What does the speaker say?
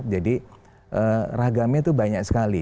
jadi ragamnya tuh banyak sekali